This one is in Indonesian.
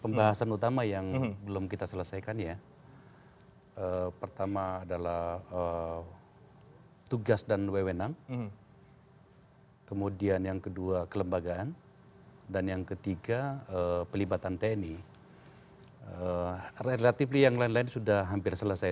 pembahasan utama yang belum kita selesaikan ya pertama adalah tugas dan wewenang kemudian yang kedua kelembagaan dan yang ketiga pelibatan tni relatif yang lain lain sudah hampir selesai